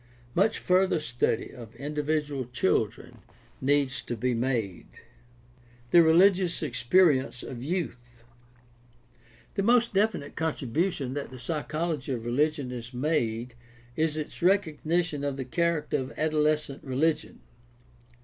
Much further study of individual children needs to be made. The religious experience of youth. — The most definite contribution that the psychology of religion has made is its recognition of the character of adolescent rehgion.